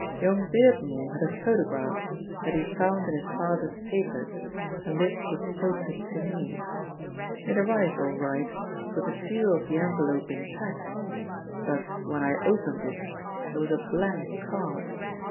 Young Beardmore had a photograph that he found in his father's papers and this was posted to me. It arrived all right, with the seal of the envelope intact, but when I opened it, there was a blank card.